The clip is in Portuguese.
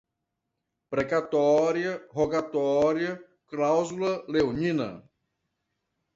precatória, rogatória, cláusula leonina